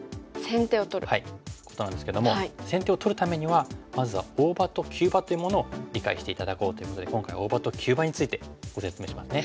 はいことなんですけども先手を取るためにはまずは大場と急場というものを理解して頂こうということで今回は大場と急場についてご説明しますね。